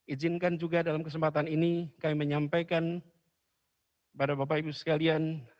ijinkan juga dalam kesempatan ini kami menyampaikan kepada bapak ibu sekalian